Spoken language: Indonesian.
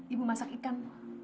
ibu masak ikan